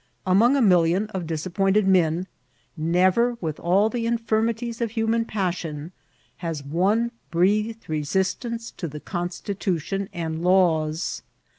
Among a million of disappointed men, never^ NBWTBAE's DAT. 907 ^th all the infinnities of human passion, has one breath ed resistance to the Constitution and laws.